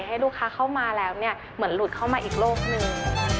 ให้ลูกค้าเข้ามาแล้วเนี่ยเหมือนหลุดเข้ามาอีกโลกนึง